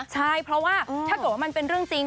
ใช่เพราะว่าถ้าเกิดว่ามันเป็นเรื่องจริง